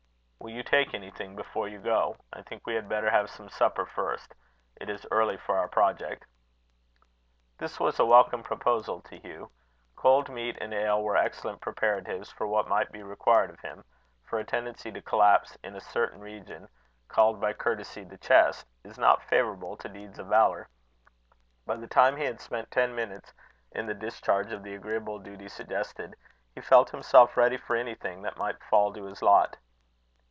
"Will you take anything before you go? I think we had better have some supper first. It is early for our project." This was a welcome proposal to Hugh. Cold meat and ale were excellent preparatives for what might be required of him; for a tendency to collapse in a certain region, called by courtesy the chest, is not favourable to deeds of valour. By the time he had spent ten minutes in the discharge of the agreeable duty suggested, he felt himself ready for anything that might fall to his lot.